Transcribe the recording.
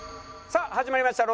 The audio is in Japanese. さあ始まりました